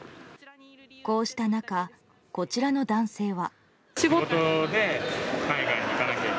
こうした中、こちらの男性は。